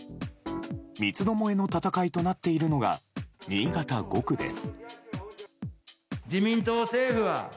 三つどもえの戦いとなっているのが新潟５区です。